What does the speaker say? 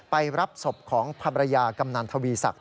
ไปรับศพของภรรยากำนันทวีศักดิ